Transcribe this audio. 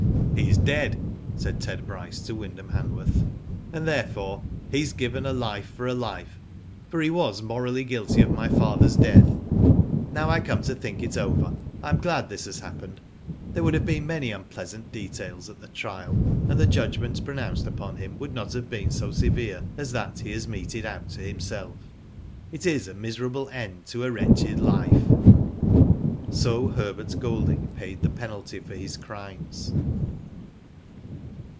He is dead," said Ted Bryce to Wyndham Hanworth, and therefore he has given a life for a life, for he was morally guilty of my fathers death. Now I come to think it over, I am glad this has happened. There would have been many unplea Digitized byGoogk AFTER THE VICTORY. 283 sant details at the trial, and the judgment pro nounced upon him would not have been so severe as that he has meted out to himself. It is a miserable end to a wretched life." So Herbert Golding paid the penalty for his crimes.